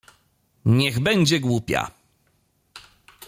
— Niech będzie głupia.